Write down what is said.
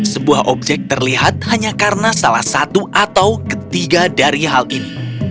sebuah objek terlihat hanya karena salah satu atau ketiga dari hal ini